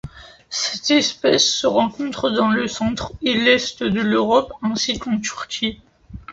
Cette espèce se rencontre dans le Centre et l'Est de l'Europe, ainsi qu'en Turquie.